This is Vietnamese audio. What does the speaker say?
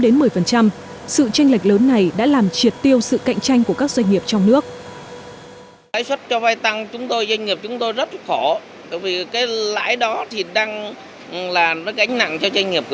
những lãi xuất này đã làm triệt tiêu sự cạnh tranh của các doanh nghiệp trong nước